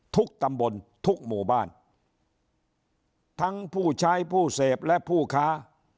ตำบลทุกหมู่บ้านทั้งผู้ใช้ผู้เสพและผู้ค้า